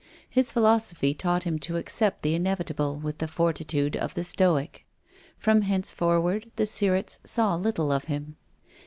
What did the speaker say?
His phi losophy taught him to accept the inevitable with the fortitude of the Stoic. From henceforward the Sirretts saw little of him.